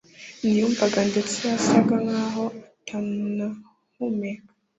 ntiyumvaga ndese yasaga nkaho atanahumeka